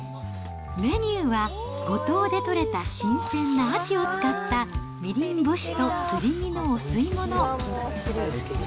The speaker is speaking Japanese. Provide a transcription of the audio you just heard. メニューは、五島で取れた新鮮なアジを使った、みりん干しとすり身のお吸い物。